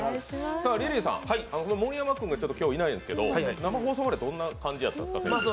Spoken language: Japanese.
リリーさん、盛山さんが今日いないんですけど、どんな感じだったんですか？